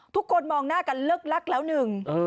คนมองหน้ากันเลิกลักแล้วหนึ่ง